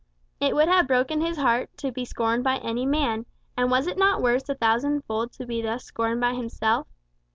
It would have broken his heart to be scorned by any man; and was it not worse a thousand fold to be thus scorned by himself!